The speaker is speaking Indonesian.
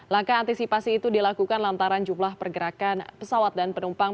langkah antisipasi itu dilakukan lantaran jumlah pergerakan pesawat dan penumpang